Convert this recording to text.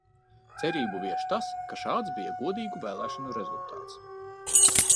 Cerību vieš tas, ka šāds bija godīgu vēlēšanu rezultāts.